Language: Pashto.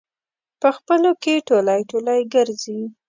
په خپلو کې ټولی ټولی ګرځي.